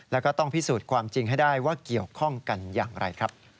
แล้วก็ต้องพิสูจน์ความจริงให้ได้ว่าเกี่ยวข้องกันอย่างไรครับ